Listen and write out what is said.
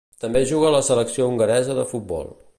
També juga a la selecció hongaresa de futbol.